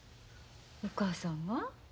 お母さんが？